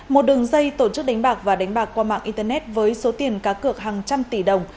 một đường dây tổ chức đánh bạc và đánh bạc qua mạng internet với số tiền cá cược hàng trăm tỷ đồng